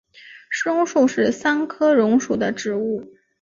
石榕树是桑科榕属的植物。